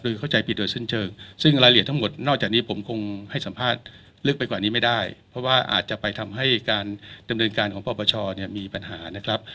คือเข้าใจผิดโดยสิ้นเชิงซึ่งรายละเอียดทั้งหมดนอกจากนี้ผมคงให้สัมภาษณ์ลึกไปกว่านี้ไม่ได้เพราะว่าอาจจะไปทำให้การดำเนินการของปปชเนี่ยมีปัญหานะครับ